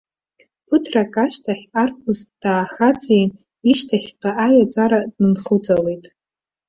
Ԥыҭрак ашьҭахь арԥыс даахаҵәин ишьҭахьҟа аиаҵәара дынхәыҵалеит.